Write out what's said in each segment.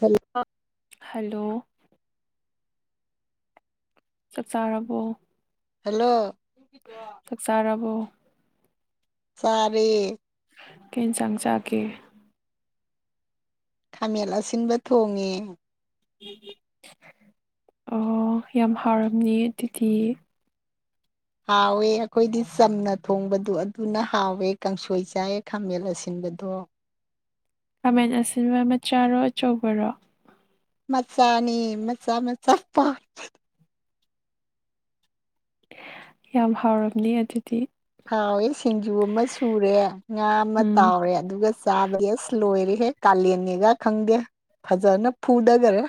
Hello hello ꯆꯥꯛ ꯆꯥꯔꯕꯣ hello ꯆꯥꯛ ꯆꯥꯔꯕꯣ ꯆꯥꯔꯦ ꯀꯩ ꯌꯦꯟꯆꯥꯡ ꯆꯥꯒꯦ ꯈꯥꯃꯦꯟ ꯑꯁꯤꯟꯕ ꯊꯣꯡꯉꯦ ꯑꯣ ꯌꯥꯝ ꯍꯥꯎꯔꯝꯅꯤꯌꯦ ꯑꯗꯨꯗꯤ ꯍꯥꯎꯋꯦ ꯑꯩꯈꯣꯏꯗꯤ ꯆꯝꯅ ꯊꯣꯡꯕꯗꯣ ꯑꯗꯨꯅ ꯍꯥꯎꯋꯦ ꯀꯥꯡꯁꯣꯏ ꯆꯥꯏꯌꯦ ꯈꯥꯃꯦꯟ ꯑꯁꯤꯟꯕꯗꯣ ꯈꯥꯃꯦꯟ ꯑꯁꯤꯟꯕ ꯃꯆꯥꯔꯣ ꯑꯆꯧꯕꯔꯣ ꯃꯆꯥꯅꯤ ꯃꯆꯥ ꯃꯆꯥ ꯄꯥꯟꯕ ꯌꯥꯝ ꯍꯥꯎꯔꯝꯅꯤ ꯑꯗꯨꯗꯤ ꯍꯥꯎꯋꯦ ꯁꯤꯡꯖꯨ ꯑꯃ ꯁꯨꯔꯦ ꯉꯥ ꯑꯃ ꯎꯝ ꯇꯥꯎꯔꯦ ꯑꯗꯨꯒ ꯆꯥꯕꯗꯤ ꯑꯁ ꯂꯣꯏꯔꯦꯍꯦ ꯀꯥꯂꯦꯟꯅꯤꯒ ꯈꯪꯗꯦ ꯐꯖꯅ ꯐꯨꯗꯈꯔꯦ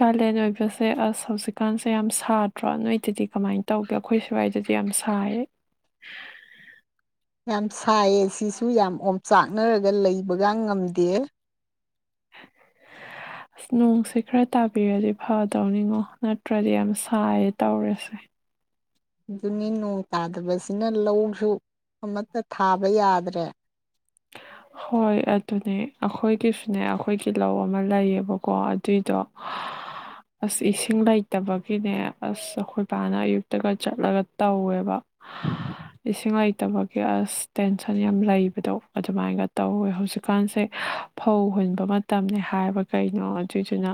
ꯀꯥꯂꯦꯟ ꯑꯣꯏꯕꯁꯦ ꯑꯁ ꯍꯧꯖꯤꯛꯀꯥꯟꯁꯦ ꯌꯥꯝ ꯁꯥꯗ꯭ꯔꯣ ꯅꯣꯏꯗꯗꯤ ꯀꯃꯥꯏꯅ ꯇꯧꯒꯦ ꯑꯩꯈꯣꯏ ꯁ꯭ꯋꯥꯏꯗꯗꯤ ꯌꯥꯝ ꯁꯥꯏꯌꯦ ꯌꯥꯝ ꯁꯥꯏꯌꯦ ꯁꯤꯁꯨ ꯌꯥꯝ ꯑꯣꯝꯆꯥꯛꯅꯔꯒ ꯂꯩꯕꯒ ꯉꯝꯗꯦ [inaudible] ꯑꯁ ꯅꯣꯡꯁꯦ ꯈꯔ ꯇꯥꯕꯤꯔꯗꯤ ꯐꯗꯧꯅꯤꯉꯣ ꯅꯠꯇ꯭ꯔꯗꯤ ꯌꯥꯝ ꯁꯥꯏꯌꯦ ꯇꯧꯔꯤꯁꯦ ꯑꯗꯨꯅꯤ ꯅꯣꯡ ꯇꯥꯗꯕꯁꯤꯅ ꯂꯧꯁꯨ ꯑꯃꯠꯇ ꯊꯥꯕ ꯌꯥꯗ꯭ꯔꯦ ꯍꯣꯏ ꯑꯗꯨꯅꯦ ꯑꯩꯈꯣꯏꯒꯤꯁꯨꯅꯦ ꯑꯩꯈꯣꯏꯒꯤ ꯂꯧ ꯑꯃ ꯂꯩꯌꯦꯕꯀꯣ ꯑꯗꯨꯏꯗꯣ ꯑꯁ ꯏꯁꯤꯡ ꯂꯩꯇꯕꯒꯤꯅꯦ ꯑꯁ ꯑꯩꯈꯣꯏ ꯏꯕꯥꯅ ꯑꯌꯨꯛꯇꯒ ꯆꯠꯂꯒ ꯇꯧꯋꯦꯕ ꯏꯁꯤꯡ ꯂꯩꯇꯕꯒꯤ ꯑꯁ ꯇꯦꯟꯁꯟ ꯌꯥꯝ ꯂꯩꯕꯗꯣ ꯑꯗꯨꯃꯥꯏꯅꯒ ꯇꯧꯋꯦ ꯍꯧꯖꯤꯛꯀꯥꯟꯁꯦ ꯐꯧ ꯍꯨꯟꯕ ꯃꯇꯝꯅꯤ ꯍꯥꯏꯕ ꯀꯩꯅꯣ ꯑꯗꯨꯏꯗꯨꯅ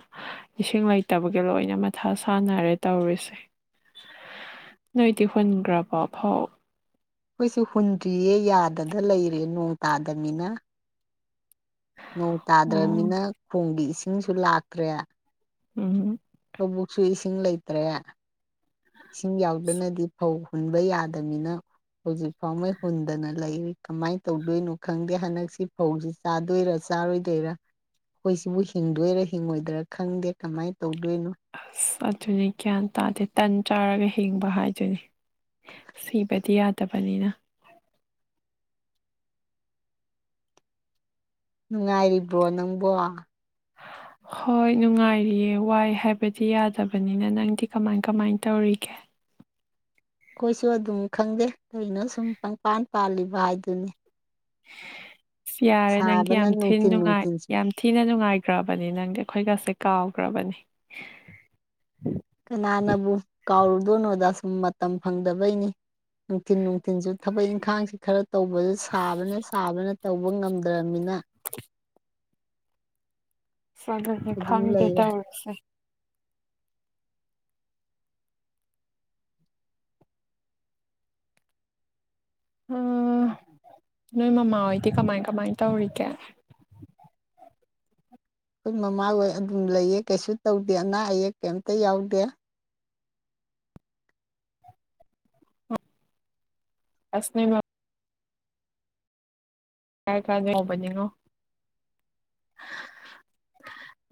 ꯏꯁꯤꯡ ꯂꯩꯇꯕꯒꯤ ꯂꯣꯏꯅ ꯃꯊꯥ ꯁꯥꯟꯅꯔꯦ ꯇꯧꯔꯤꯁꯦ ꯅꯣꯏꯗꯤ ꯍꯨꯟꯈ꯭ꯔꯕꯣ ꯐꯧ ꯑꯩꯈꯣꯏꯁꯨ ꯍꯨꯟꯗ꯭ꯔꯤꯌꯦ ꯌꯥꯗꯗ ꯂꯩꯔꯦ ꯅꯣꯡ ꯇꯥꯗꯅꯤꯅ ꯅꯣꯡ ꯑꯣ ꯇꯥꯗ꯭ꯔꯃꯤꯅ ꯀꯨꯝꯒꯤ ꯏꯁꯤꯡꯁꯨ ꯂꯥꯛꯇ꯭ꯔꯦ ꯎꯝ ꯂꯧꯕꯨꯛꯁꯨ ꯏꯁꯤꯡ ꯂꯩꯇꯔꯦ ꯏꯁꯤꯡ ꯌꯥꯎꯗꯅꯗꯤ ꯐꯧ ꯍꯨꯟꯕ ꯌꯥꯗꯃꯤꯅ ꯍꯧꯖꯤꯛ ꯐꯥꯎꯉꯩ ꯍꯨꯟꯗꯅ ꯂꯩꯔꯤ ꯀꯃꯥꯏꯅ ꯇꯧꯗꯣꯏꯅꯣ ꯈꯪꯗꯦ ꯍꯟꯗꯛꯁꯤ ꯐꯧꯁꯤ ꯆꯥꯗꯣꯏꯔꯥ ꯆꯥꯔꯣꯏꯗꯣꯏꯔꯥ ꯑꯩꯈꯣꯏ ꯁꯤꯕꯨ ꯍꯤꯡꯗꯣꯏꯔꯥ ꯍꯤꯡꯉꯣꯏꯗꯣꯏꯔꯥ ꯈꯪꯗꯦ ꯀꯃꯥꯏꯅ ꯇꯧꯗꯣꯏꯅꯣ ꯑꯁ ꯑꯗꯨꯅꯤ ꯒ꯭ꯌꯥꯟ ꯇꯥꯗꯦ ꯇꯟ ꯆꯥꯔꯒ ꯍꯤꯡꯕ ꯍꯥꯏꯗꯨꯣꯏꯅꯤ ꯁꯤꯕꯗꯤ ꯌꯥꯗꯕꯅꯤꯅ ꯅꯨꯡꯉꯥꯏꯔꯤꯕꯣ ꯅꯪꯕꯣ [inaudible] ꯍꯣꯏ ꯅꯨꯡꯉꯥꯏꯔꯤꯌꯦ ꯋꯥꯏ ꯍꯥꯏꯕꯗꯤ ꯌꯥꯗꯕꯅꯤꯅ ꯅꯪꯗꯤ ꯀꯃꯥꯏ ꯀꯃꯥꯏ ꯇꯧꯔꯤꯒꯦ ꯑꯩꯈꯣꯏꯁꯨ ꯑꯗꯨꯝ ꯈꯪꯗꯦ ꯀꯩꯅꯣ ꯁꯨꯝ ꯇꯪꯄꯥꯟ ꯄꯥꯜꯂꯤꯕ ꯍꯥꯏꯗꯨꯅꯤ ꯑꯁ ꯌꯥꯔꯦ ꯅꯪꯗꯤ ꯁꯥꯕꯅ ꯌꯥꯝ ꯊꯤꯅ ꯅꯨꯡꯊꯤꯟ ꯅꯨꯡꯉꯥꯏ ꯅꯨꯡꯊꯤꯟꯁꯨ ꯌꯥꯝ ꯊꯤꯅ ꯅꯨꯡꯉꯥꯏꯈ꯭ꯔꯕꯅꯤ ꯅꯪꯗꯤ ꯑꯩꯈꯣꯏꯒꯁꯦ ꯀꯥꯎꯈ꯭ꯔꯕꯅꯤ ꯀꯅꯥꯅꯕꯨ ꯀꯥꯎꯔꯨꯗꯣꯏꯅꯣꯗ ꯁꯨꯝ ꯃꯇꯝ ꯐꯪꯗꯕꯩꯅꯤ ꯅꯨꯡꯊꯤꯟ ꯅꯨꯡꯊꯤꯟꯁꯨ ꯊꯕꯛ ꯏꯪꯈꯥꯡꯁꯤ ꯈꯔ ꯇꯧꯕꯗꯨ ꯁꯥꯕꯅ ꯁꯥꯕꯅ ꯇꯧꯕ ꯉꯝꯗ꯭ꯔꯅꯤꯅ ꯁꯒꯒꯤ ꯑꯗꯨꯝ ꯈꯪꯗꯦ ꯂꯩꯔꯦ ꯇꯧꯔꯤꯁꯦ ꯎ ꯅꯣꯏ ꯃꯃꯥ ꯍꯣꯏꯗꯤ ꯀꯃꯥꯏ ꯀꯃꯥꯏ ꯇꯧꯔꯤꯒꯦ꯫ ꯑꯩꯈꯣꯏ ꯃꯃꯥ ꯍꯣꯏ ꯑꯗꯨꯝ ꯂꯩꯌꯦ ꯀꯩꯁꯨ ꯇꯧꯗꯦ ꯑꯅꯥ ꯑꯌꯦꯛ ꯀꯩꯝꯇ ꯌꯥꯎꯗꯦ꯫ ꯑꯁ ꯅꯣꯏꯃꯝ ꯀꯥꯏ ꯀꯥꯏ ꯌꯧꯕꯅꯤꯉꯣ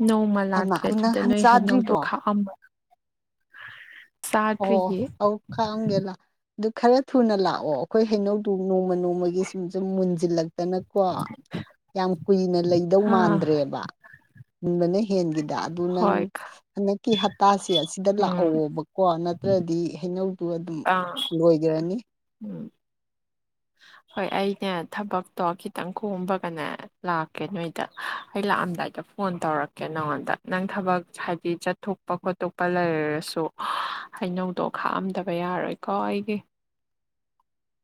ꯅꯣꯡꯃ ꯍꯩꯃꯥ ꯂꯥꯛꯀꯦ ꯅꯪ ꯑꯗꯨꯗ ꯍꯟ ꯅꯣꯏ ꯍꯩꯅꯧꯗꯣ ꯆꯥꯗ꯭ꯔꯤꯕꯣ ꯈꯥꯛꯑꯝꯃꯣ ꯑꯣ ꯆꯥꯗ꯭ꯔꯤꯌꯦ ꯑꯧ ꯈꯥꯛꯑꯝꯒꯦ ꯂ ꯑꯗꯨ ꯈꯔ ꯊꯨꯅ ꯂꯥꯛꯑꯣ ꯑꯩꯈꯣꯏ ꯍꯩꯅꯧꯗꯨ ꯅꯣꯡꯃ ꯅꯣꯡꯃꯒꯤ ꯁꯨꯝ ꯁꯨꯝ ꯃꯨꯟꯁꯤꯜꯂꯛ ꯇꯅꯀꯣ ꯌꯥꯝ ꯀꯨꯏꯅ ꯂꯩꯗꯧ ꯑꯥ ꯃꯥꯟꯗ꯭ꯔꯦꯕ ꯃꯨꯟꯕꯅ ꯍꯦꯟꯈꯤꯗ ꯑꯗꯨ ꯅꯪ ꯍꯣꯏ ꯍꯟꯗꯛꯀꯤ ꯍꯇꯥꯁꯦ ꯑꯁꯤꯗ ꯎꯝ ꯂꯥꯛꯍꯧꯕꯀꯣ ꯅꯠꯇ꯭ꯔ ꯗꯤ ꯍꯩꯅꯧꯗꯨ ꯑꯗꯨꯝ ꯑꯥ ꯂꯣꯏꯒꯔꯅꯤ ꯍ ꯍꯣꯏ ꯑꯩꯅꯦ ꯊꯕꯛꯇꯣ ꯈꯤꯇꯪ ꯈꯣꯝꯕꯒꯅꯦ ꯂꯥꯛꯀꯦ ꯅꯣꯏꯗ ꯑꯩ ꯂꯥꯛꯑꯝꯗꯥꯏꯗ ꯐꯣꯟ ꯇꯧꯔꯛꯀꯦ ꯅꯉꯣꯟꯗ ꯅꯪ ꯊꯕꯛ ꯍꯥꯏꯗꯤ ꯆꯠꯊꯣꯛꯄ ꯈꯣꯠꯇꯣꯛꯄ ꯂꯩꯔꯔꯁꯨ ꯍꯩꯅꯧꯗꯣ ꯈꯥꯛꯑꯝꯗꯕ ꯌꯥꯔꯣꯏꯀꯣ ꯑꯩꯒꯤ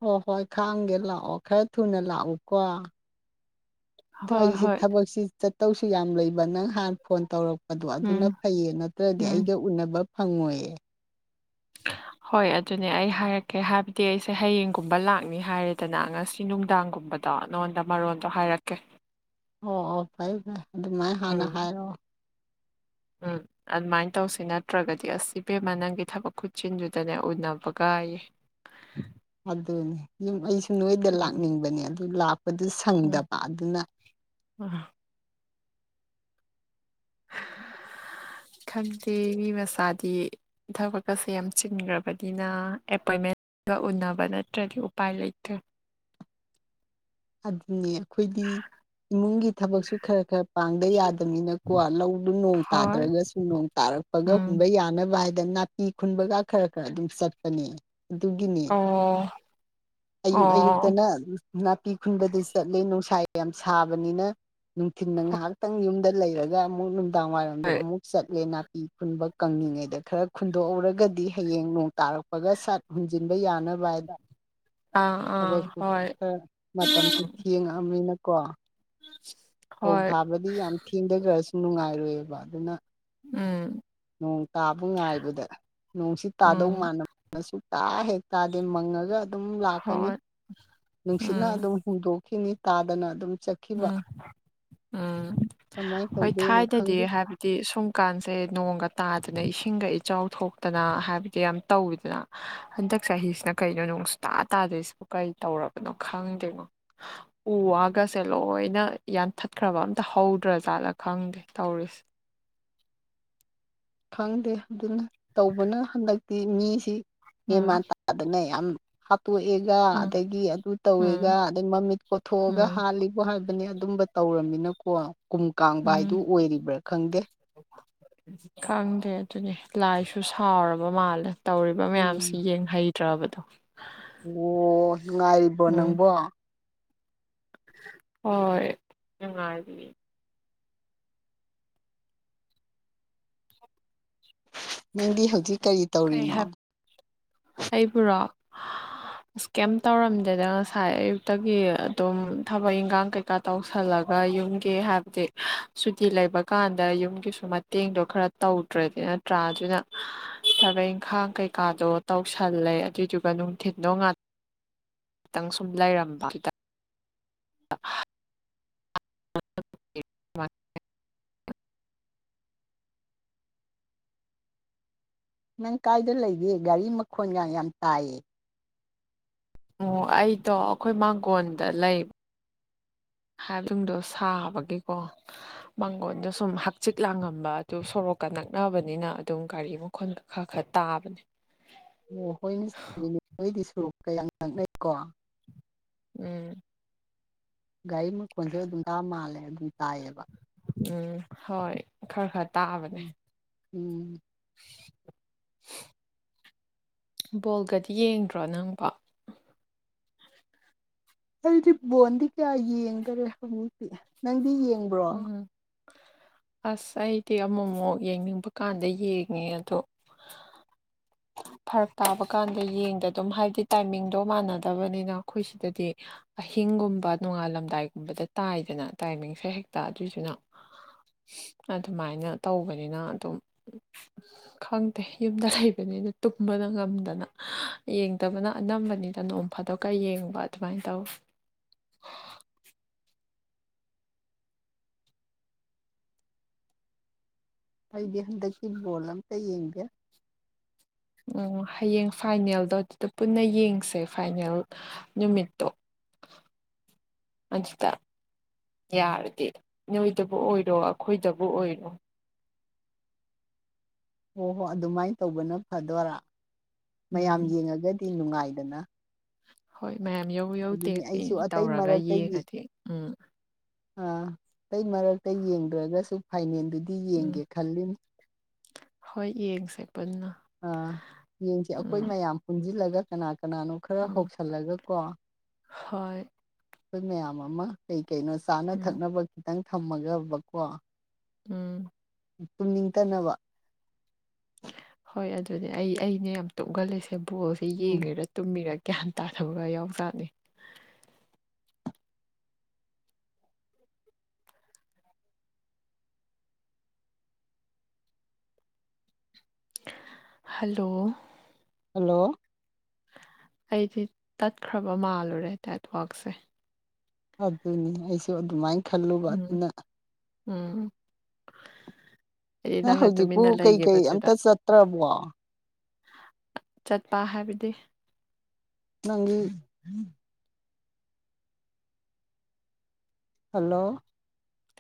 ꯍꯣꯏ ꯍꯣꯏ ꯈꯥꯡꯒꯦ ꯂꯥꯛꯑꯣ ꯈꯔ ꯊꯨꯅ ꯂꯥꯛꯎꯀꯣ ꯗꯣ ꯍꯣꯏ ꯑꯩꯁꯦ ꯍꯣꯏ ꯊꯕꯛꯁꯤ ꯆꯠꯇꯧꯁꯨ ꯌꯥꯝ ꯂꯩꯕ ꯅꯪ ꯍꯥꯟ ꯐꯣꯟ ꯇꯧꯔꯛ ꯑꯗꯣ ꯑꯗꯨꯅ ꯎꯝ ꯐꯩꯌꯦ ꯅꯠꯇ꯭ꯔꯗꯤ ꯎꯝ ꯑꯩꯒ ꯎꯅꯕ ꯐꯪꯉꯣꯏꯌꯦ ꯍꯣꯏ ꯑꯗꯨꯅꯦ ꯑꯩ ꯍꯥꯏꯔꯛꯀꯦ ꯍꯥꯏꯕꯗꯤ ꯑꯩꯁꯦ ꯍꯌꯦꯡꯒꯨꯝꯕ ꯂꯥꯛꯅꯤ ꯍꯥꯏꯔꯦꯗꯅ ꯉꯁꯤ ꯅꯨꯡꯗꯥꯡꯒꯨꯝꯕꯗ ꯗꯣ ꯅꯉꯣꯟꯗ ꯃꯔꯣꯟꯗꯣ ꯍꯥꯏꯔꯛꯀꯦ ꯑꯣ ꯑꯣ ꯐꯩ ꯐꯔꯦ ꯑꯗꯨꯃꯥꯏꯅ ꯍꯥꯟꯅ ꯎꯝ ꯍꯥꯏꯔꯛꯑꯣ ꯎꯝ ꯑꯗꯨꯃꯥꯏꯅ ꯇꯧꯁꯤ ꯅꯠꯇ꯭ꯔꯒꯗꯤ ꯑꯁꯤꯕꯦꯃ ꯅꯪꯒꯤ ꯊꯕꯛ ꯈꯨꯠꯆꯤꯟꯗꯨꯗꯅꯦ ꯎꯅꯕꯒꯥꯏꯌꯦ꯫ [unintelligible] ꯑꯗꯨꯅꯦ ꯌꯨꯝ ꯑꯩꯁꯨ ꯅꯣꯏꯗ ꯂꯥꯛꯅꯤꯡꯕꯅꯦ ꯑꯗꯨ ꯂꯥꯛꯄꯗꯨ ꯁꯪꯗꯕ ꯑꯗꯨꯅ ꯑ ꯈꯪꯗꯦ ꯃꯤ ꯃꯆꯥꯗꯤ ꯏꯊꯛ ꯀꯁꯦ ꯌꯥꯝ ꯆꯤꯟꯈ꯭ꯔꯕꯅꯤꯅ ꯑꯦꯄꯣꯏꯟꯃꯦꯟ ꯗ ꯎꯅꯕ ꯅꯠꯇ꯭ꯔꯗꯤ ꯎꯄꯥꯏ ꯂꯩꯇꯦ ꯑꯗꯨꯅꯦ ꯑꯩꯈꯣꯏꯗꯤ ꯏꯃꯨꯡꯒꯤ ꯊꯕꯛꯁꯨ ꯈꯔ ꯈꯔ ꯄꯥꯡꯗ ꯌꯥꯗꯕꯅꯤꯅꯀꯣ ꯂꯧꯗꯨ ꯅꯣꯡ ꯍꯣꯏ ꯇꯥꯗ꯭ꯔꯒꯁꯨ ꯅꯣꯡ ꯇꯥꯔꯛ ꯄꯒ ꯎꯝ ꯍꯨꯟꯕ ꯌꯥꯅꯕ ꯍꯥꯏꯗꯅ ꯅꯥꯄꯤ ꯈꯨꯟꯕꯒ ꯈꯔ ꯈꯔ ꯑꯗꯨꯝ ꯆꯠꯄꯅꯦ ꯑꯗꯨꯒꯤꯅꯦ ꯑꯣ ꯑꯌꯨꯛ ꯑꯌꯨꯛꯇ ꯑꯣ ꯅꯥ ꯄꯤ ꯈꯨꯟꯕꯗꯤ ꯆꯠꯂꯤ ꯅꯨꯡꯁꯥ ꯌꯥꯝ ꯁꯥꯕꯅꯤꯅ ꯅꯨꯡꯊꯤꯜꯗ ꯉꯥꯏꯍꯥꯛꯇꯪ ꯌꯨꯝꯗ ꯂꯩꯔꯒ ꯑꯃꯨꯛ ꯅꯨꯡꯗꯥꯡ ꯋꯥꯏꯔꯝꯗ ꯍꯣꯏ ꯑꯃꯨꯛ ꯆꯠꯂꯦ ꯅꯥꯄꯤ ꯈꯨꯟꯕ ꯀꯪꯂꯤꯉꯩꯗ ꯈꯔ ꯈꯨꯨꯟꯗꯣꯛꯎꯧꯔꯒꯗꯤ ꯍꯌꯦꯡ ꯅꯣꯡ ꯇꯥꯔꯛꯄꯒ ꯁꯠ ꯍꯨꯖꯤꯟꯕ ꯌꯥꯅꯕ ꯍꯥꯏꯗ ꯑꯥ ꯑꯥ ꯊꯕꯛꯇꯨ ꯍꯣꯏ ꯈꯔ ꯃꯇꯝꯁꯨ ꯎꯝ ꯊꯦꯡꯉꯛ ꯑꯕꯅꯤꯅꯀꯣ ꯐꯧ ꯍꯣꯏ ꯊꯥꯕ ꯗꯤ ꯌꯥꯝ ꯊꯦꯡꯊꯈ꯭ꯔꯁꯨ ꯅꯨꯡꯉꯥꯏꯔꯣꯏꯑꯕ ꯑꯗꯨꯅ ꯎꯝ ꯅꯣꯡ ꯇꯥꯕ ꯉꯥꯏꯕꯗ ꯅꯣꯡꯁꯤ ꯇꯥꯗꯧ ꯎꯝ ꯃꯥꯟꯅ ꯁꯨꯇꯥ ꯍꯦꯛ ꯇꯥꯗꯦ ꯃꯪꯉꯒ ꯑꯗꯨꯝ ꯂꯥꯛꯀꯅꯤ ꯎ ꯅꯨꯡꯁꯤꯠꯅ ꯑꯗꯨꯝ ꯍꯨꯝꯗꯣꯛꯈꯤꯅꯤ ꯇꯥꯗꯅ ꯑꯗꯨꯝ ꯆꯠ ꯎꯝ ꯎꯝ ꯀꯃꯥꯏꯅ ꯍꯣꯏ ꯇꯧꯗꯣꯏꯅꯣ ꯊꯥꯏꯗꯗꯤ ꯈꯪꯗꯦ ꯍꯥꯏꯕ ꯗꯤ ꯁꯨꯝꯀꯥꯟꯁꯦ ꯅꯣꯡꯒ ꯇꯥꯗꯅ ꯏꯁꯤꯡꯒ ꯏꯆꯥꯎ ꯊꯣꯛꯇꯅ ꯍꯥꯏꯕꯗꯤ ꯌꯥꯝ ꯇꯧꯋꯤꯗꯅ ꯍꯟꯗꯛ ꯆꯍꯤꯁꯤꯅ ꯀꯩꯅꯣ ꯅꯣꯡꯁꯨ ꯇꯥ ꯇꯥꯗꯣꯏꯁꯤꯕꯨ ꯀꯔꯤ ꯇꯧꯔꯕꯅꯣ ꯈꯪꯗ꯭ꯔꯤꯅꯣ ꯎ ꯋꯥꯒ ꯁꯦ ꯂꯣꯏꯅ ꯌꯥꯟꯊꯠꯈ꯭ꯔꯕ ꯑꯝꯇ ꯍꯧꯗ꯭ꯔ ꯖꯥꯠꯂꯥ ꯈꯪꯗꯦ ꯇꯧꯔꯤꯁꯦ ꯈꯪꯗꯦ ꯑꯗꯨꯅ ꯇꯧꯕꯅ ꯍꯟꯗꯛꯇꯤ ꯃꯤꯁꯤ ꯎꯝ ꯃꯦꯃꯥꯟ ꯇꯥꯗꯅ ꯌꯥꯝ ꯍꯥꯠꯇꯣꯛꯑꯦꯒ ꯎꯝ ꯑꯗꯒꯤ ꯑꯗꯨ ꯇꯧꯋꯦꯒ ꯎꯝ ꯑꯗꯩ ꯃꯃꯤꯠ ꯀꯣꯊꯣꯛꯑꯒ ꯎꯝ ꯍꯥꯠꯂꯤ ꯕꯣ ꯍꯥꯏꯕꯅꯦ ꯑꯗꯨꯝꯕ ꯇꯧꯔꯕꯃꯤꯅꯀꯣ ꯀꯨꯝ ꯀꯥꯡꯕ ꯍꯥꯏꯗꯨ ꯎꯝ ꯑꯣꯏꯔꯤꯕ꯭ꯔꯥ ꯈꯪꯗꯦ ꯈꯪꯗꯦ ꯑꯗꯨꯅꯦ ꯂꯥꯏꯁꯨ ꯁꯥꯎꯔꯕ ꯃꯥꯜꯂꯦ ꯇꯧꯔꯤꯕ ꯎꯝ ꯃꯌꯥꯝꯁꯤ ꯌꯦꯡꯍꯩꯗ꯭ꯔꯕꯗꯣ ꯑꯣ ꯉꯥꯏꯔꯤꯕꯣ ꯎꯝ ꯅꯪꯕꯣ ꯍꯣꯏ ꯅꯨꯡꯉꯥꯏꯔꯤ ꯅꯪꯗꯤ ꯍꯧꯖꯤꯛ ꯀꯔꯤ ꯀꯩ ꯍꯥꯏꯕ ꯇꯧꯔꯤꯅꯣ ꯑꯩꯕꯨꯔꯣ ꯏꯁ ꯀꯦꯝ ꯇꯧꯔꯝꯗꯦꯗ ꯉꯁꯥꯏ ꯑꯌꯨꯛꯇꯒꯤ ꯑꯗꯨꯝ ꯊꯕꯛ ꯏꯟꯈꯥꯡ ꯀꯩ ꯀꯥ ꯇꯧꯁꯜꯂꯒ ꯌꯨꯝꯒꯤ ꯍꯥꯏꯕꯗꯤ ꯁꯨꯇꯤ ꯂꯩꯕ ꯀꯥꯟꯗ ꯌꯨꯝꯒꯤꯁꯨ ꯃ ꯇꯦꯡꯗꯣ ꯈꯔ ꯇꯧꯗ꯭ꯔꯗꯤ ꯅꯠꯇ꯭ꯔꯥ ꯑꯗꯨꯅ ꯊꯕꯛ ꯏꯪꯈꯥꯡ ꯀꯩꯀꯥꯗꯣ ꯇꯧꯁꯜꯂꯦ ꯑꯗꯨꯏꯗꯨꯒ ꯅꯨꯡꯊꯤꯟꯗꯣ ꯉꯟ ꯇꯪ ꯁꯨꯝ ꯂꯩꯔꯝꯕ ꯑꯥ [inaudible] ꯅꯪ ꯀꯥꯏꯗ ꯂꯩꯒꯦ ꯒꯥꯔꯤ ꯃꯈꯣꯟꯒ ꯌꯥꯝ ꯇꯥꯏꯌꯦ ꯑꯣ ꯑꯩꯗꯣ ꯑꯈꯣꯏ ꯃꯥꯡꯒꯣꯟꯗ ꯂꯩ ꯍꯥꯏꯕꯗꯨꯨꯡꯗꯣ ꯁꯥꯕꯒꯤꯀꯣ ꯃꯥꯡꯒꯣꯟꯗꯣ ꯁꯨꯝ ꯍꯛꯆꯤꯠ ꯂꯥꯡꯉꯝꯕ ꯑꯗꯨ ꯁꯣꯔꯣꯛꯀ ꯅꯛꯅꯕꯅꯤꯅ ꯑꯗꯨꯝ ꯒꯥꯔꯤ ꯃ ꯈꯣꯟ ꯈꯔ ꯈꯔ ꯇꯥꯕꯅꯦ ꯑꯣ ꯍꯣꯏꯅꯃꯤ ꯅꯣꯏꯗꯤ ꯁꯨꯔꯣꯛꯀꯥ ꯅꯛꯅꯩꯀꯣ ꯎꯝ ꯒꯥꯔꯤ ꯃꯈꯣꯟꯁꯨ ꯑꯗꯨꯝ ꯇꯥ ꯃꯥꯜꯂꯦ ꯑꯗꯨꯝ ꯇꯥꯏꯌꯦꯕ ꯎꯝ ꯍꯣꯏ ꯈꯔ ꯈꯔ ꯇꯥꯕꯅꯦ ꯎꯝ ꯎꯝ ꯕꯣꯜꯒꯗꯤ ꯌꯦꯡꯗ꯭ꯔꯣ ꯅꯪꯕꯣ ꯑꯩꯗꯤ ꯕꯣꯟꯗꯤ ꯀꯌꯥ ꯌꯦꯡꯗꯔꯦ ꯍꯧꯖꯤꯛꯇꯤ ꯅꯪꯗꯤ ꯌꯦꯡ ꯎꯝ ꯑꯁ ꯑꯩꯗꯤ ꯑꯃꯃꯨꯛ ꯌꯦꯡꯅꯤꯡꯕ ꯀꯥꯟꯗ ꯌꯦꯡꯉꯦ ꯑꯗꯣ [inaudible] ꯐꯔꯛ ꯇꯥꯕ ꯀꯥꯟꯗ ꯌꯦꯡꯗ ꯑꯗꯨꯝ ꯍꯥꯏꯕꯗꯤ ꯇꯥꯏꯃꯤꯡꯗꯣ ꯃꯥꯟꯅꯗꯕꯅꯤꯅ ꯑꯈꯣꯏ ꯁꯤꯗꯗꯤ ꯑꯍꯤꯡꯒꯨꯝꯕ ꯅꯣꯡꯉꯥꯜꯂꯝꯗꯥꯏꯒꯨꯝꯕꯗ ꯇꯥꯏꯗꯅ ꯇꯥꯏꯃꯤꯡꯁꯦ ꯍꯦꯛꯇ ꯑꯗꯨꯏꯗꯨꯅ ꯑꯗꯨꯃꯥꯏꯅ ꯇꯧꯕꯅꯤꯅ ꯑꯗꯨꯝ ꯈꯪꯗꯦ ꯌꯨꯝꯗ ꯂꯩꯕꯅꯤꯅ ꯇꯨꯝꯕꯅ ꯉꯝꯗꯅ ꯌꯦꯡꯗꯕꯅ ꯑꯅꯝꯕꯅꯤꯅ ꯅꯣꯡ ꯐꯥꯗꯣꯛꯀ ꯌꯦꯡꯕ ꯑꯗꯨꯃꯥꯏ ꯇꯧ ꯑꯩꯗꯤ ꯍꯟꯗꯛꯀꯤ ꯕꯣꯜ ꯑꯝꯇ ꯌꯦꯡꯗꯦ ꯎ ꯍꯌꯦꯡ ꯐꯥꯏꯅꯦꯜꯗꯣ ꯑꯗꯨꯗ ꯄꯨꯟꯅ ꯌꯦꯡꯁꯦ ꯐꯥꯏꯅꯦꯜ ꯅꯨꯃꯤꯠꯇꯣ ꯑꯗꯨꯗ ꯌꯥꯔꯗꯤ ꯅꯣꯏꯗꯕꯨ ꯑꯣꯏꯔꯣ ꯑꯈꯣꯏꯗꯕꯨ ꯑꯣꯏꯔꯣ ꯍꯣ ꯍꯣ ꯑꯗꯨꯃꯥꯏ ꯇꯧꯕꯅ ꯐꯗꯣꯔꯥ ꯃꯌꯥꯝ ꯎꯝ ꯌꯦꯡꯉꯒꯗꯤ ꯅꯨꯡꯉꯥꯏꯗꯅ ꯍꯣꯏ ꯃꯌꯥꯝ ꯌꯧ ꯌꯧꯗꯦ ꯑꯗꯨꯅꯤ ꯑꯩꯁꯨ ꯑꯩ ꯑꯇꯩ ꯇꯧꯔꯒ ꯃꯔꯛꯇ ꯌꯦꯡ ꯌꯦꯡꯉꯗꯤ ꯎꯝ ꯑꯥ ꯀꯩ ꯃꯔꯛꯇ ꯌꯦꯡꯗ꯭ꯔꯒꯁꯨ ꯐꯥꯏꯅꯦꯜꯗꯨꯗꯤ ꯎꯝ ꯌꯦꯡꯒꯦ ꯈꯜꯂꯤꯅꯤ ꯍꯣꯏ ꯌꯦꯡꯁꯦ ꯄꯨꯟꯅ ꯑꯥ ꯌꯦꯡꯁꯦ ꯑꯩꯈꯣꯏ ꯎꯝ ꯃꯌꯥꯝ ꯄꯨꯟꯖꯤꯜꯂꯒ ꯀꯅꯥ ꯀꯅꯥꯅꯣ ꯈꯔ ꯎꯝ ꯍꯧꯁꯜꯂꯒꯀꯣ ꯍꯣꯏ ꯑꯩꯈꯣꯏ ꯃꯌꯥꯝ ꯑꯃ ꯀꯩ ꯀꯩꯅꯣ ꯆꯥꯅ ꯎꯝ ꯊꯛꯅꯕ ꯈꯤꯇꯪ ꯊꯝꯃꯒꯕꯀꯣ ꯎꯝ ꯇꯨꯝꯅꯤꯡꯇꯅꯕ ꯍꯣꯏ ꯑꯗꯨꯅꯦ ꯑꯩ ꯑꯩꯅ ꯌꯥꯝ ꯇꯨꯝꯒꯜꯂꯤꯁꯦ ꯕꯣꯜꯁꯦ ꯎꯝ ꯌꯦꯡꯉꯒ ꯇꯨꯝꯃꯤꯔ ꯒ꯭ꯌꯥꯟ ꯇꯥꯗꯕꯒ ꯌꯥꯎꯖꯥꯠꯅꯤ ꯍꯜꯂꯣ ꯍꯜꯂꯣ ꯑꯩꯗꯤ ꯇꯠꯈ꯭ꯔꯕ ꯃꯥꯜꯂꯨꯔꯦ ꯅꯦꯠꯋꯥꯛꯁꯦ ꯑꯗꯨꯅꯤ ꯑꯩꯁꯨ ꯑꯗꯨꯃꯥꯏ ꯈꯜꯂꯨꯕ ꯎꯝ ꯑꯗꯨꯅ ꯎꯝ ꯑꯩꯗꯤ ꯅꯪ ꯅꯪꯅ ꯍꯧꯖꯤꯛꯄꯨ ꯇꯨꯃꯤꯟꯅ ꯀꯩꯀꯩ ꯑꯝꯇ ꯂꯩꯒꯤꯕꯗꯨꯗ ꯆꯠꯇ꯭ꯔꯕꯣ ꯆꯠꯄ ꯍꯥꯏꯕꯗꯤ ꯅꯪꯒꯤ ꯍꯜꯂꯣ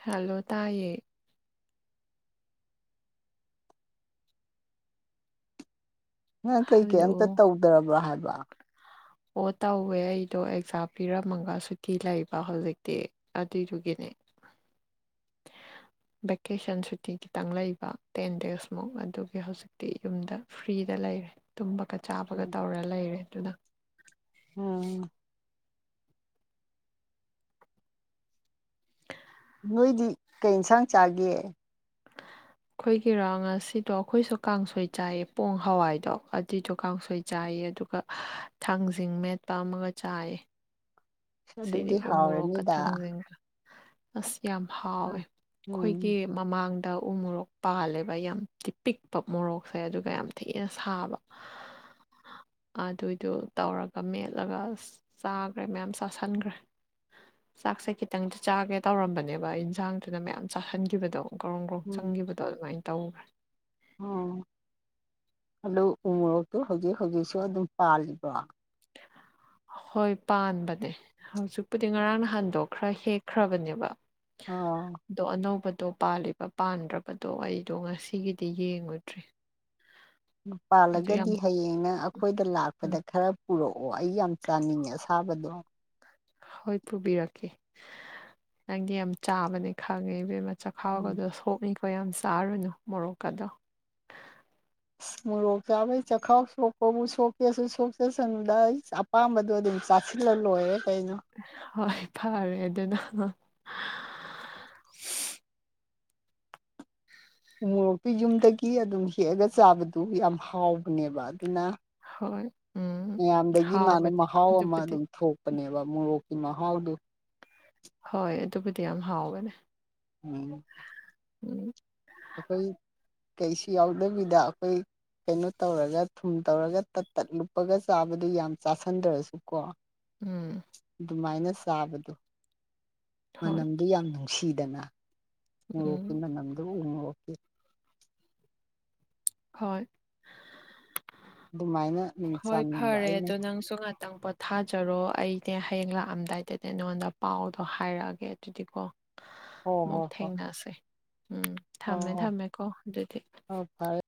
ꯍꯦꯜꯂꯣ ꯇꯥꯏꯌꯦ ꯅꯪ ꯀꯩ ꯀꯩ ꯍꯜꯂꯣ ꯑꯝꯇ ꯇꯧꯗ꯭ꯔꯕ꯭ꯔꯥ ꯍꯥꯏꯕ ꯑꯣ ꯇꯧꯋꯦ ꯑꯩꯗꯣ ꯑꯦꯛꯖꯥꯝ ꯄꯤꯔꯝꯃꯒ ꯁꯨꯇꯤ ꯂꯩꯕ ꯍꯧꯖꯤꯛꯇꯤ ꯑꯗꯨꯏꯗꯨꯒꯤꯅꯦ ꯚꯦꯀꯦꯁꯟ ꯁꯨꯇꯤ ꯈꯤꯇꯪ ꯂꯩꯕ ꯇꯦꯟ ꯗꯦꯖꯃꯨꯛ ꯑꯗꯨꯒꯤ ꯍꯧꯖꯤꯛ ꯌꯨꯝꯗ ꯐ꯭ꯔꯤꯗ ꯂꯩꯔꯦ ꯇꯨꯝꯕꯒ ꯆꯥꯕꯒ ꯇꯧꯔ ꯂꯩꯔꯦ ꯑꯗꯨꯅ ꯎꯝ ꯅꯣꯏꯗꯤ ꯀꯩ ꯑꯦꯟꯁꯥꯡ ꯆꯥꯒꯦ ꯑꯩꯈꯣꯏꯒꯤꯔꯣ ꯉꯁꯤꯗꯣ ꯑꯩꯈꯣꯏꯁꯨ ꯀꯥꯡꯁꯣꯏ ꯆꯥꯏꯌꯦ ꯄꯣꯡ ꯍꯋꯥꯏꯗꯣ ꯑꯗꯨꯏꯗꯣ ꯀꯥꯡꯁꯣꯏ ꯆꯥꯏꯌꯦ ꯑꯗꯨꯒ ꯊꯥꯡꯖꯤꯡ ꯃꯦꯠꯄ ꯑꯃꯒ ꯆꯥꯏ ꯁꯤꯅꯤ ꯑꯗꯨꯗꯤ ꯎ ꯃꯣꯔꯣꯛꯀ ꯍꯥꯎꯔꯅꯤꯗ ꯊꯪꯖꯁꯤꯡꯒ ꯑꯁ ꯌꯥꯝ ꯍꯥꯎꯋꯦ ꯎꯝ ꯑꯩꯈꯣꯏꯒꯤ ꯎꯝ ꯃꯃꯥꯡꯗ ꯎ ꯃꯣꯔꯣꯛ ꯄꯥꯜꯂꯦꯕ ꯌꯥꯝꯗꯤ ꯄꯤꯛꯄ ꯃꯣꯔꯣꯛꯁꯦ ꯑꯗꯨꯒ ꯌꯥꯝ ꯊꯤꯅ ꯁꯥꯕ ꯑꯗꯨꯏꯗꯨ ꯇꯧꯔꯒ ꯃꯦꯠꯂꯒ ꯆꯥꯒ꯭ꯔꯦ ꯃꯌꯥꯝ ꯆꯥꯁꯟꯒ꯭ꯔꯦ ꯆꯥꯛꯁꯦ ꯈꯤꯇꯪꯇ ꯆꯥꯒꯦ ꯇꯧꯔꯝꯕꯅꯦꯕ ꯏꯟꯁꯥꯡꯗꯨꯅ ꯃꯌꯥꯝ ꯆꯥꯍꯟꯒꯤꯕꯗꯣ ꯒ꯭ꯔꯣꯡ ꯒ꯭ꯔꯣꯡ ꯎꯝ ꯆꯪꯒꯤꯕꯗꯣ ꯑꯗꯨꯃꯥꯏ ꯇꯧꯒ꯭ꯔꯦ ꯑꯣ ꯍꯜꯂꯣ ꯎ ꯃꯣꯔꯣꯛꯇꯨ ꯍꯧꯖꯤꯛ ꯍꯧꯖꯤꯛꯁꯨ ꯑꯗꯨꯝ ꯄꯥꯜꯂꯤꯕ꯭ꯔꯣ [inaudible] ꯍꯣꯏ ꯄꯥꯟꯕꯅꯦ ꯍꯧꯖꯤꯛꯄꯨꯗꯤ ꯉꯔꯥꯡ ꯅꯍꯟꯗꯣ ꯈ꯭ꯔ ꯍꯦꯛꯈ꯭ꯔꯕꯅꯦꯕ ꯑꯣ ꯑꯗꯣ ꯑꯅꯧꯕꯗꯣ ꯄꯥꯜꯂꯤꯕ ꯄꯥꯟꯗ꯭ꯔꯕꯗꯣ ꯑꯩꯗꯣ ꯉꯁꯤꯒꯤꯗꯤ ꯌꯦꯡꯉꯨꯗ꯭ꯔꯤ ꯑꯗꯨ ꯌꯥꯝ ꯄꯥꯜꯂꯒꯗꯤ ꯍꯌꯦꯡ ꯍꯌꯦꯡ ꯅꯪ ꯑꯩꯈꯣꯏꯗ ꯂꯥꯛꯄꯗ ꯎꯝ ꯈꯔ ꯄꯨꯔꯛꯑꯣ ꯑꯩ ꯌꯥꯝ ꯆꯥꯅꯤꯡꯉꯦ ꯑꯁꯥꯕꯗꯣ ꯍꯣꯏ ꯄꯨꯕꯤꯔꯛꯀꯦ ꯅꯪꯗꯤ ꯌꯥꯝ ꯆꯥꯕꯅꯦ ꯈꯪꯉꯦ ꯏꯕꯦꯝꯃ ꯎꯝ ꯆꯥꯛꯈꯥꯎꯒꯗꯣ ꯁꯣꯛꯅꯤꯀꯣ ꯌꯥꯝ ꯆꯥꯔꯨꯅꯨ ꯃꯣꯔꯣꯛꯀꯗꯣ ꯑꯁ ꯃꯣꯔꯣꯛ ꯆꯥꯕꯩ ꯆꯈꯥꯎ ꯁꯣꯛꯄꯕꯨ ꯁꯣꯛꯀꯦꯁꯨ ꯁꯣꯛꯆꯁꯅꯨꯗꯥ ꯑꯄꯥꯝꯕꯗꯣ ꯑꯗꯨꯝ ꯆꯥꯁꯤꯜꯂ ꯂꯣꯏꯔꯦ ꯀꯩꯅꯣ ꯍꯣꯏ ꯐꯔꯦ ꯑꯗꯨꯅ ꯎ ꯃꯣꯔꯣꯛꯇꯨ ꯌꯨꯝꯗꯒꯤ ꯑꯗꯨꯝ ꯍꯦꯛꯑꯒ ꯆꯥꯕꯗꯨ ꯌꯥꯝ ꯍꯥꯎꯕꯅꯦꯕ ꯑꯗꯨꯅ ꯍꯣꯏ ꯎꯝ ꯃꯌꯥꯝꯗꯒꯤ ꯃꯥꯅ ꯍꯥꯎꯕꯅꯦ ꯃꯍꯥꯎ ꯑꯃ ꯑꯗꯨꯕꯨꯗꯤ ꯑꯗꯨꯝ ꯊꯣꯛ ꯅꯦꯕ ꯃꯣꯔꯣꯛꯀꯤ ꯃꯍꯥꯎꯗꯣ ꯍꯣꯏ ꯑꯗꯨꯕꯨꯗꯤ ꯌꯥꯝ ꯍꯥꯎꯕꯅꯦ ꯎꯝ ꯎꯝ ꯑꯩꯈꯣꯏ ꯀꯩꯁꯨ ꯌꯥꯎꯗꯕꯤꯗ ꯑꯩꯈꯣꯏ ꯀꯩꯅꯣ ꯇꯧꯔꯒ ꯊꯨꯝ ꯇꯧꯔꯒ ꯇꯠ ꯇꯠ ꯂꯨꯞꯄꯒ ꯆꯥꯕꯗꯨ ꯌꯥꯝ ꯆꯥꯥꯁꯟꯗ꯭ꯔꯁꯨ ꯀꯣ ꯎꯝ ꯑꯗꯨꯃꯥꯏꯅ ꯆꯕꯗꯣ ꯍꯣꯏ ꯃꯅꯝꯗꯨ ꯌꯥꯝ ꯅꯨꯡꯁꯤꯗꯅ ꯉꯣꯔꯣꯛꯀꯤ ꯎꯝ ꯃꯅꯝꯗꯨ ꯎ ꯉꯣꯔꯣꯛꯀꯤ ꯍꯣꯏ ꯑꯗꯨꯃꯥꯏꯅ ꯑꯗꯨꯝ ꯍꯣꯏ ꯆꯥꯅꯤꯡꯕ ꯐꯔꯦ ꯑꯩꯅ ꯑꯗꯣ ꯅꯪꯁꯨ ꯉꯥ ꯅꯪ ꯄꯣꯊꯥꯖꯔꯣ ꯑꯩꯅꯦ ꯍꯌꯦꯡ ꯂꯥꯛꯑꯝꯗꯥꯏꯗꯅꯦ ꯅꯉꯣꯟꯗ ꯄꯥꯎꯗꯣ ꯍꯥꯏꯔꯛꯑꯒꯦ ꯑꯗꯨꯗꯤꯀꯣ ꯍꯣ ꯑꯃꯨꯛ ꯍꯣ ꯍꯣ ꯊꯦꯡꯅꯁꯦ ꯎꯝ ꯑꯣ ꯊꯝꯃꯦ ꯑꯣ ꯊꯝꯃꯦꯀꯣ ꯑꯗꯨꯗꯤ ꯍꯣ ꯐꯔꯦ